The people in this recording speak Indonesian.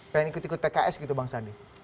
pengen ikut ikut pks gitu bang sandi